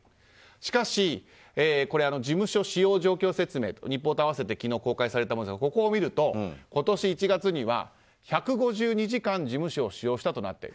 しかし、これは事務所使用状況説明という日報と併せて昨日公開されたものですがここを見ると今年１月には１５２時間事務所を使用したとなっている。